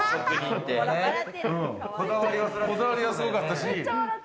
こだわりがすごかったし。